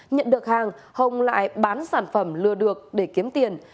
nhận được hàng hồng lại bán sản phẩm lừa được để kiếm tiền